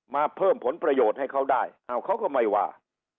มาเพิ่มผลประโยชน์ให้เขาได้อ้าวเขาก็ไม่ว่า